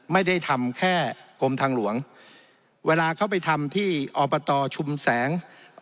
ไม่ได้ทำแค่กรมทางหลวงเวลาเขาไปทำที่อบตชุมแสง